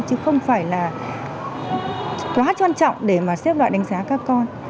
chứ không phải là quá quan trọng để mà xếp loại đánh giá các con